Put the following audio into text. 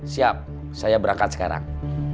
siap saya berangkat sekarang